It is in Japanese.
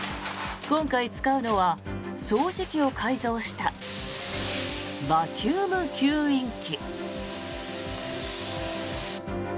今回使うのは掃除機を改造したバキューム吸引機。